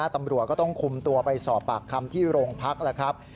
ตำรวจก็ต้องคุมตัวไปสอบปากคำที่โรงพักแล้วครับ